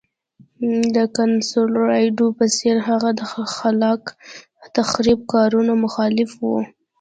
د کنسولاډو په څېر هغه د خلاق تخریب کارونو مخالف و.